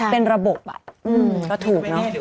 เป็นระบบก็ถูกเนอะ